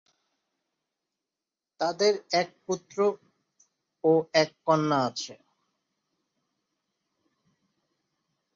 তাদের এক পুত্র ও এক কন্যা আছে।